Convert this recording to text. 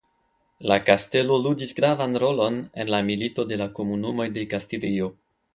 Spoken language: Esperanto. La kastelo ludis gravan rolon en la Milito de la Komunumoj de Kastilio.